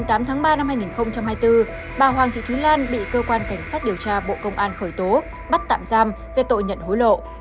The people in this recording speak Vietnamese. ngày tám tháng ba năm hai nghìn hai mươi bốn bà hoàng thị thúy lan bị cơ quan cảnh sát điều tra bộ công an khởi tố bắt tạm giam về tội nhận hối lộ